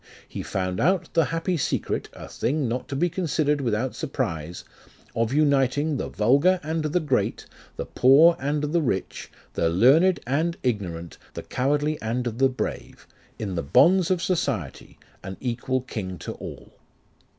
He found out the happy secret (A thing not to be considered without surprise) Of uniting the vulgar and the great, The poor and the rich, The learned and ignorant, The cowardly and the brave, In the bonds of society, an equal king to all.